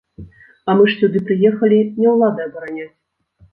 А мы ж сюды прыехалі не ўлады абараняць.